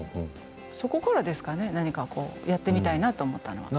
そこからですかね何かやってみたいなと思ったのは。